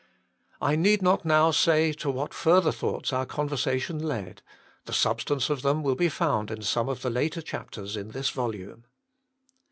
I need not now say to what further thoughts our conversation led; the substance of them will be found in some of the later chapters in this volume.